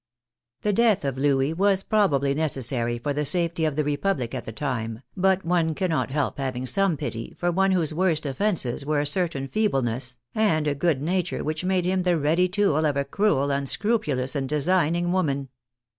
The death of Louis was probably necessary for the safety of the Republic at the time, but one cannot help having some pity for one whose worst offences were a certain feebleness and good nature which made him the ready tool of a cruel, unscrupulous and designing woman.